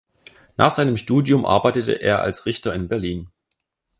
Nach seinem Studium arbeitete er als Richter in Berlin.